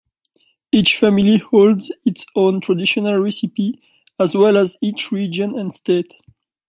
Each family holds its own traditional recipe as well as each region and state.